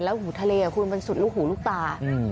และฐาเลกับคุณมันสุดลุกลูกตา